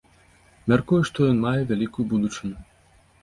Мяркую, што ён мае вялікую будучыню.